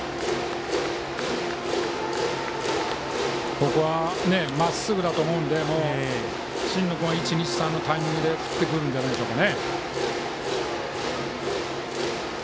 ここはまっすぐだと思うので新野君は１、２、３のタイミングで振ってくるんじゃないんでしょうかね。